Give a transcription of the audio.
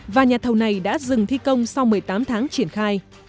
và nhà thầu này đã dừng thi công sau một mươi tám tháng triển khai